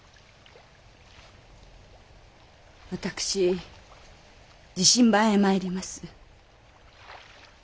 私自身番へ参ります。